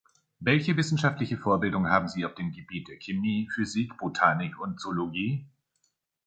Welche wissenschaftliche Vorbildung haben sie auf dem Gebiet der Chemie, Physik, Botanik und Zoologie?